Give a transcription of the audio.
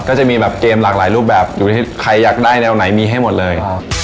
ก็จะมีแบบเกมหลากหลายรูปแบบอยู่ที่ใครอยากได้แนวไหนมีให้หมดเลย